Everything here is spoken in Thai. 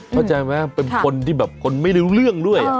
เข้าใจไหมเป็นคนที่แบบคนไม่รู้เรื่องด้วย